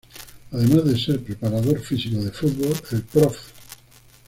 Además de ser Preparador Físico de Fútbol, el Prof.